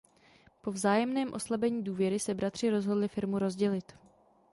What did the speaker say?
Po vzájemném oslabení důvěry se bratři rozhodli firmu rozdělit.